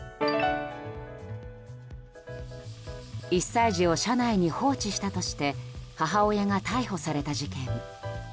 １歳児を車内に放置したとして母親が逮捕された事件。